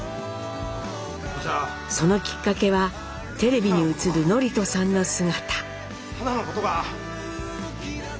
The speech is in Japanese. そのきっかけはテレビに映る智人さんの姿。